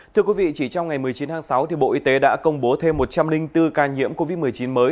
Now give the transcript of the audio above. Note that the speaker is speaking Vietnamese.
thưa quý vị chỉ trong ngày một mươi chín tháng sáu bộ y tế đã công bố thêm một trăm linh bốn ca nhiễm covid một mươi chín mới